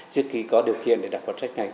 chưa kịp có điều khiển để đọc cuốn sách này